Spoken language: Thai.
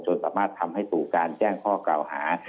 สามารถทำให้สู่การแจ้งข้อกล่าวหา